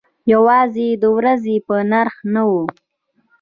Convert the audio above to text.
یوازې د ورځې په نرخ نه و.